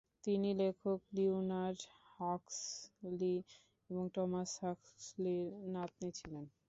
তিনি লেখক Leonard Huxley এবং টমাস হাক্সলির নাতনী ছিলেন।